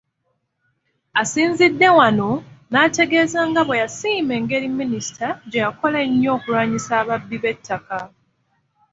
Asinzidde wano n’ategeeza nga bwe yasiima engeri Minisita gye yakola ennyo okulwanyisa ababbi b’ettaka